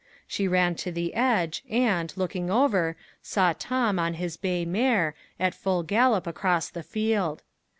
She ran to the edge, and, looking over, saw Tom on his bay mare, at full gallop across the field.